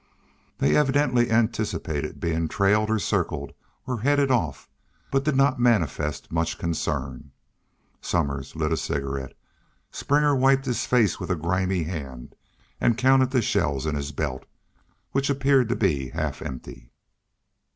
They evidently anticipated being trailed or circled or headed off, but did not manifest much concern. Somers lit a cigarette; Springer wiped his face with a grimy hand and counted the shells in his belt, which appeared to be half empty.